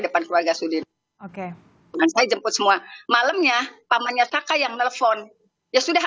dengan keluarga sudir oke dan saya jemput semua malamnya pamannya saka yang telepon ya sudah